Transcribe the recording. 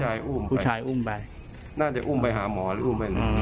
น่าจะอุ้มไปหาหมอหรืออุ้มไปไหนไม่รู้